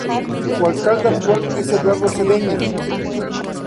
Su alcalde actual es Eduardo Cedeño.